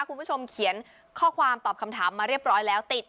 คุณผู้ชมเขียนข้อความตอบคำถามมาเรียบร้อยแล้วติด